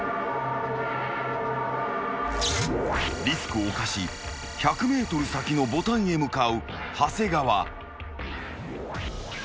［リスクを冒し１００ｍ先のボタンへ向かう長谷川］